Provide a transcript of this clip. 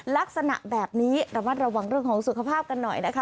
ลักษณะแบบนี้ระมัดระวังเรื่องของสุขภาพกันหน่อยนะคะ